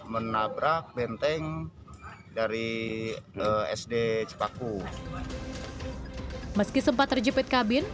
meski sempat terjepit kabin